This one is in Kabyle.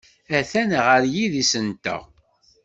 Atan ɣer yidis-nteɣ.